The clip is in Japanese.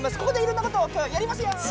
ここでいろんなことをやりますよ！